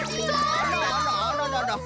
あらあらあららら。